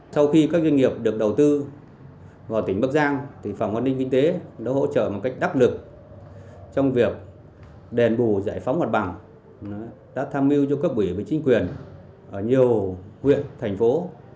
sau khi các doanh nghiệp được đầu tư vào tỉnh bắc giang phòng an ninh kinh tế đã hỗ trợ một cách đắc lực trong việc đền bù giải phóng hoạt bằng đã tham mưu cho các quỹ với chính quyền ở nhiều huyện thành phố